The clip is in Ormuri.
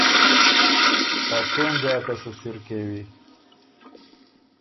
ا څېن ځاکه سُو سِر کېوی۔